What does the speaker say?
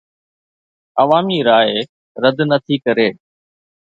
عوامي راءِ رد نه ٿي ڪري